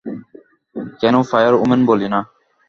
কেনো ফায়ারওমেন বলি না?